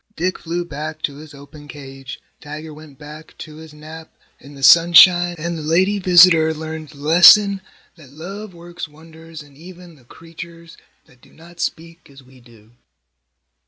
Dick flew back to his open cage, Tiger went back to his nap in the sunshine, and the lady visitor learned the lesson that love works wonders in even the creatures that do not speak as we do.